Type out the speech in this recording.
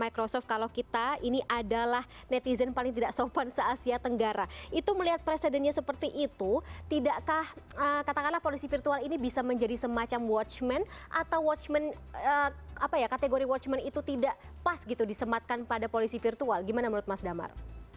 itu melihat presidennya seperti itu tidakkah katakanlah polisi virtual ini bisa menjadi semacam watchman atau kategori watchman itu tidak pas gitu disematkan pada polisi virtual gimana menurut mas damar